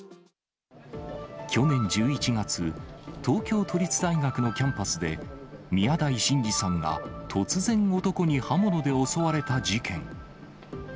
去年１１月、東京都立大学のキャンパスで、宮台真司さんが、突然男に刃物で襲われた事件。